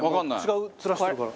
違う面してるから。